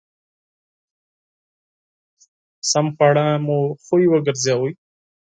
صحي خواړه مو عادت وګرځوئ!